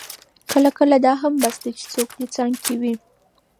کله کله دا هم بس ده چې څوک دې څنګ کې وي.